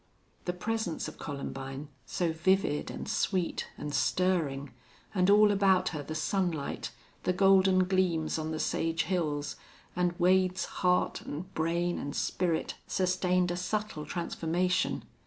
The presence of Columbine, so vivid and sweet and stirring, and all about her the sunlight, the golden gleams on the sage hills, and Wade's heart and brain and spirit sustained a subtle transformation.